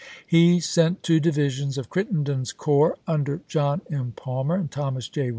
He sent two divisions of Crittenden's coi'ps, under John M. Palmer and Thomas J.